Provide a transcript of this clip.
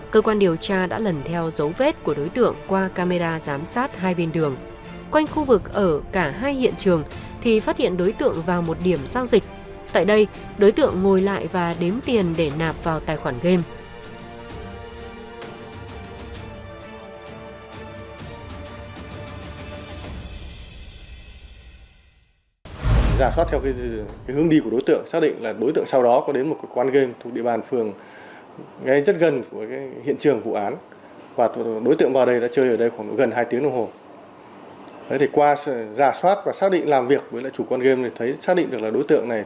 cơ quan điều tra cử các tổ công tác để truy tìm dấu vân tay của đối tượng